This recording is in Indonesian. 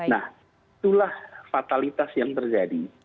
nah itulah fatalitas yang terjadi